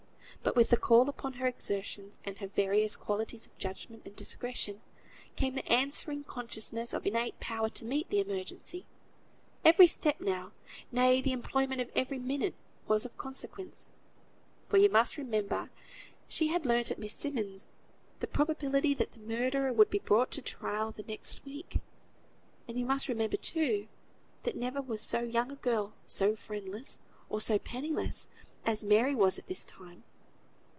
But with the call upon her exertions, and her various qualities of judgment and discretion, came the answering consciousness of innate power to meet the emergency. Every step now, nay, the employment of every minute, was of consequence; for you must remember she had learnt at Miss Simmonds' the probability that the murderer would be brought to trial the next week. And you must remember, too, that never was so young a girl so friendless, or so penniless, as Mary was at this time.